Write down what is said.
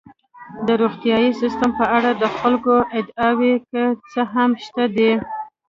د روغتیايي سیستم په اړه د خلکو ادعاوې که څه هم شته دي.